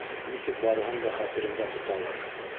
Нисек барыһын да хәтерендә тоталыр?!